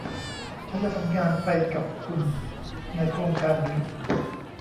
ฉันจะทำงานไปกับคุณในโครงการนี้